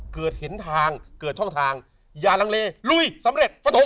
เกิดเห็นทางเกิดช่องทางอย่าลังเลลุยสำเร็จ